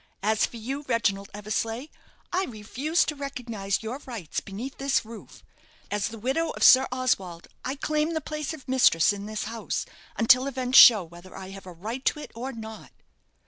As for you, Reginald Eversleigh, I refuse to recognize your rights beneath this roof. As the widow of Sir Oswald, I claim the place of mistress in this house, until events show whether I have a right to it or not."